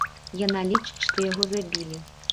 Яна лічыць, што яго забілі.